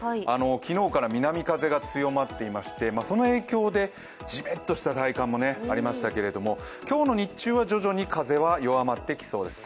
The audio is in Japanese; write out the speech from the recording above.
昨日から南風が強まっていましてその影響でじめっとした体感もありましたけど今日の日中は徐々に風は弱まってきそうです。